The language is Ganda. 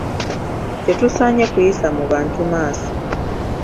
Tetusaanye kuyisa mu bantu maaso.